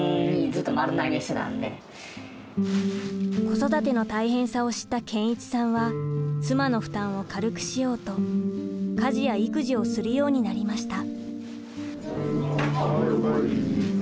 子育ての大変さを知った健一さんは妻の負担を軽くしようと家事や育児をするようになりました。